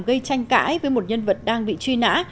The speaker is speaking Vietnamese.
gây tranh cãi với một nhân vật đang bị truy nã